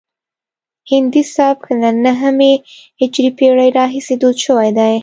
هندي سبک له نهمې هجري پیړۍ راهیسې دود شوی دی